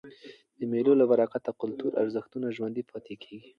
د مېلو له برکته کلتوري ارزښتونه ژوندي پاته کېږي.